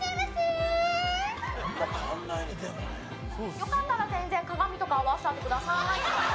良かったら全然、鏡とか合わせちゃってください。